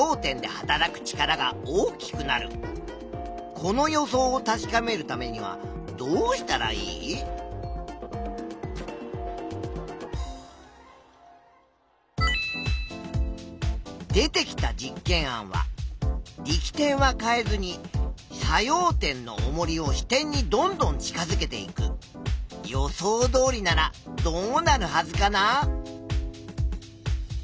この予想を確かめるためにはどうしたらいい？出てきた実験案は力点は変えずに作用点のおもりを支点にどんどん近づけていく。予想どおりならどうなるはずかな？